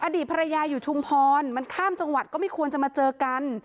อดีตภรรยาอยู่ชุมพรมันข้ามจังหวัดก็ไม่ควรจะมาเจอกัน